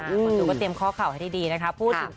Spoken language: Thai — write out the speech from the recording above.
คนดูก็เตรียมข้อข่าวให้ดีนะคะ